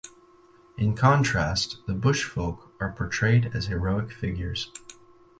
In contrast, the bush folk are portrayed as heroic figures.